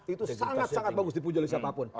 itu sangat sangat bagus dipunjul siapapun